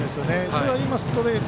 ただ、今ストレート